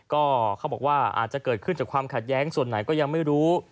ก็เขาบอกว่าอาจจะเกิดขึ้นจากความขัดแย้งส่วนไหนก็ยังไม่รู้